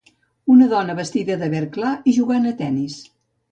Una dona vestida de verd clar i jugant a tennis.